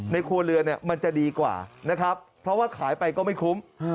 ครัวเรือนเนี่ยมันจะดีกว่านะครับเพราะว่าขายไปก็ไม่คุ้ม